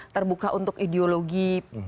terbuka untuk ideologi